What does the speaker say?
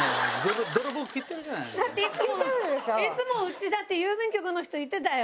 いつもうちだって郵便局の人言ってたよ。